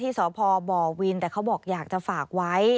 สพบวินแต่เขาบอกอยากจะฝากไว้